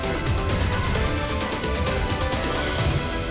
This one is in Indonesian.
kepala komoditi lantai